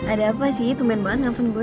ada apa sih tumben banget ngapain gue